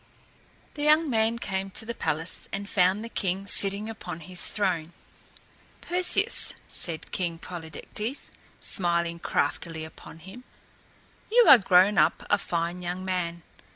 The young man came to the palace and found the king sitting upon his throne. "Perseus," said King Polydectes, smiling craftily upon him, "you are grown up a fine young man.